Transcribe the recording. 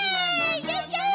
イエイイエイ！